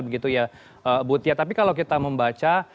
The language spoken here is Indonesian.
but ya tapi kalau kita membaca